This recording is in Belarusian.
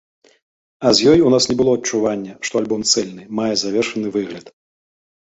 А з ёй у нас не было адчування, што альбом цэльны, мае завершаны выгляд.